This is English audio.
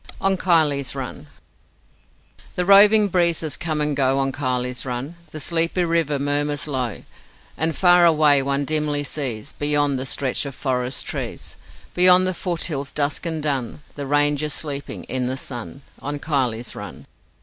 On Kiley's Run The roving breezes come and go On Kiley's Run, The sleepy river murmurs low, And far away one dimly sees Beyond the stretch of forest trees Beyond the foothills dusk and dun The ranges sleeping in the sun On Kiley's Run.